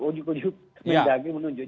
ujuku ujuku mendagang menunjuk